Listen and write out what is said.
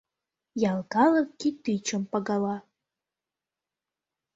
Ял калык кӱтӱчым пагала.